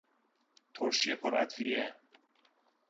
ترشی پر ادویه